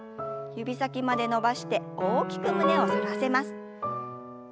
指先まで伸ばして大きく胸を反らせます。